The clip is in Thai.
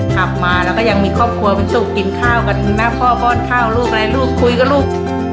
ขับมาแล้วก็ยังมีครอบครัวเป็นสุขกินข้าวกันแม่พ่อป้อนข้าวลูกอะไรลูกคุยกับลูก